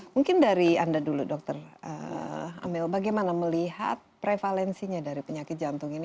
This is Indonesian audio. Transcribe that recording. mungkin dari anda dulu dr amel bagaimana melihat prevalensinya dari penyakit jantung ini